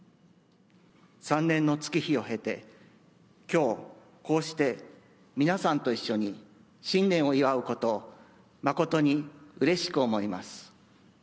３年の月日を経て、きょう、こうして皆さんと一緒に新年を祝うことを誠にうれしく思います。